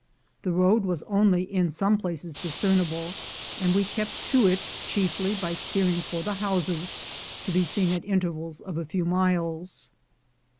The road was only in some places discernible, and we kept to it chiefly by steering for the houses, to be seen at intervals of a few miles.